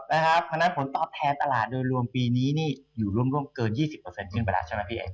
เพราะฉะนั้นผลตอบแทนตลาดโดยรวมปีนี้นี่อยู่ร่วมเกิน๒๐ขึ้นไปแล้วใช่ไหมพี่เอก